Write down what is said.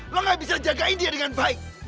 lo gak bisa jagain dia dengan baik